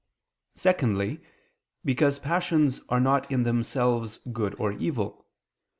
Secondly, because passions are not in themselves good or evil.